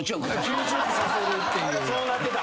そうなってた。